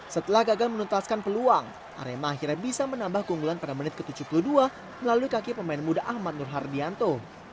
setelah gagal menuntaskan peluang arema akhirnya bisa menambah keunggulan pada menit ke tujuh puluh dua melalui kaki pemain muda ahmad nur hardianto